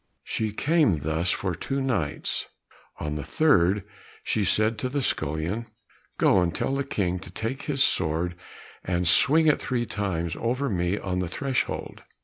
She came thus for two nights; on the third, she said to the scullion, "Go and tell the King to take his sword and swing it three times over me on the threshold."